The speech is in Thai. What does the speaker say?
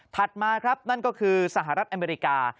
มาครับนั่นก็คือสหรัฐอเมริกา